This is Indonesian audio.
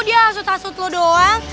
dia asut asut lo doang